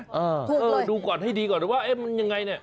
เออถูกเลยดูก่อนให้ดีก่อนหรือว่าเอ๊ะมันยังไงเนี่ย